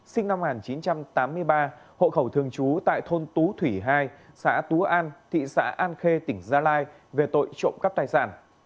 sinh năm một nghìn chín trăm tám mươi ba hộ khẩu thường trú tại thôn tú thủy hai xã tú an thị xã an khê tỉnh gia lai về tội trộm cắp tài sản